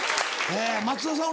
松田さん